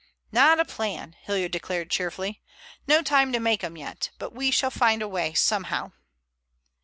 "Not a plan," Hilliard declared cheerfully. "No time to make 'em yet. But we shall find a way somehow."